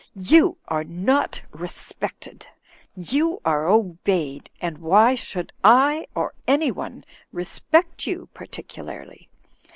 You are not respected. You are obeyed. Why should I or anyone respect you particularly?